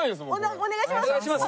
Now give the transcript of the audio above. お願いします！